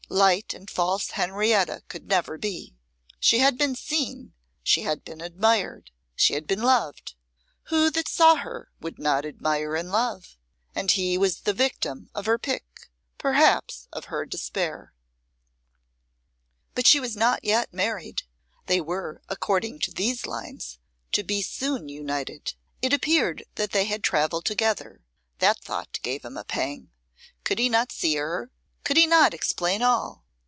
Light and false Henrietta could never be. She had been seen, she had been admired, she had been loved: who that saw her would not admire and love? and he was the victim of her pique, perhaps of her despair. But she was not yet married. They were, according to these lines, to be soon united. It appeared they had travelled together; that thought gave him a pang. Could he not see her? Could he not explain all?